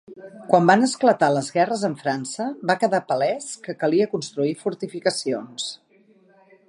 Quan van esclatar les guerres amb França va quedar palès que calia construir fortificacions.